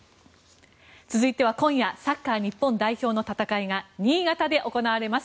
続いては今夜、サッカー日本代表の戦いが新潟で行われます。